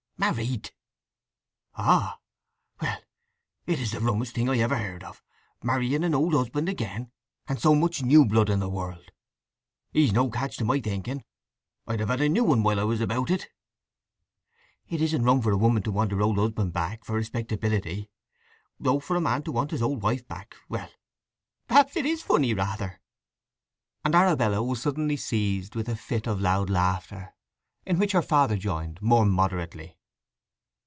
"Married." "Ah… Well it is the rummest thing I ever heard of—marrying an old husband again, and so much new blood in the world! He's no catch, to my thinking. I'd have had a new one while I was about it." "It isn't rum for a woman to want her old husband back for respectability, though for a man to want his old wife back—well, perhaps it is funny, rather!" And Arabella was suddenly seized with a fit of loud laughter, in which her father joined more moderately.